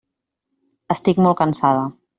Estic molt cansada.